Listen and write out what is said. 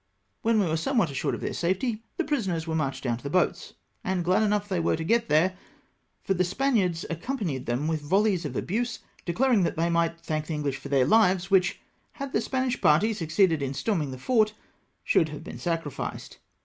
When we were somewhat assured of their safety, the prisoners were marched down to the boats ; and glad enough they were to get there, for the Spaniards accom panied them with volleys of abuse, declaring that they might thank the Enghsh for their hves, which, had the Spanish party succeeded in storming the fort, should have been sacrificed.